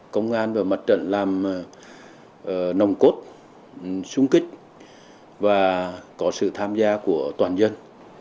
công an và mặt trận làm nồng cốt súng kích và có sự tham gia của toàn dân